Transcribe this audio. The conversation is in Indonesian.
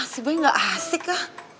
si boy gak asik ya